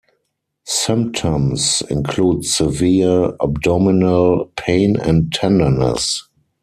Symptoms include severe abdominal pain and tenderness.